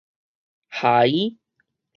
頦